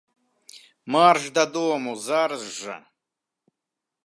Марш дадому зараз жа!